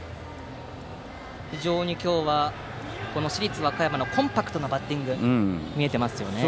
非常に今日は市立和歌山のコンパクトなバッティングが見えてますよね。